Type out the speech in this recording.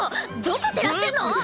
どこ照らしてんの！？